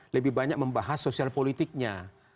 lebih banyak membahas sosial politiknya